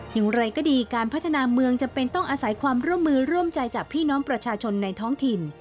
อย่างไรก็ดีการพัฒนาเมืองจำเป็นต้องอาศัยความร่วมมือร่วมใจจากพี่น้องประชาชนในท้องถิ่น